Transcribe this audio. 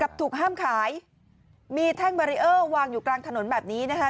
ถูกห้ามขายมีแท่งบารีเออร์วางอยู่กลางถนนแบบนี้นะคะ